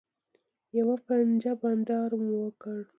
یوه پنجه بنډار مو وکړ.